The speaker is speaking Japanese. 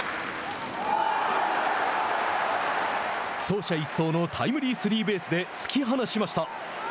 走者一掃のタイムリースリーベースで突き放しました。